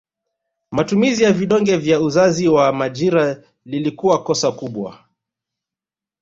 Matumizi ya vidonge vya uzazi wa majira lilikuwa kosa kubwa